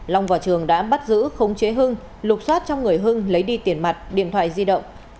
long và trường đã bắt giữ khống chế hưng lục xoát trong người hưng lấy đi tiền mặt điện thoại di động